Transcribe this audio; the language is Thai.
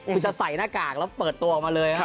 คุณจะใส่หน้ากากแล้วเปิดตัวออกมาเลย